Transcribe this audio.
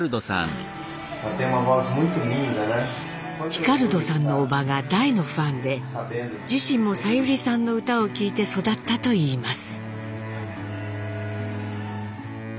ヒカルドさんの叔母が大のファンで自身もさゆりさんの歌を聴いて育ったといいます。